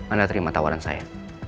anda terima tawaran saya